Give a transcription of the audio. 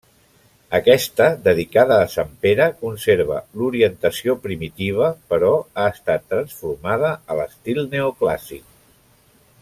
Aquesta, dedicada a Sant Pere, conserva l'orientació primitiva, però ha estat transformada a l'estil neoclàssic.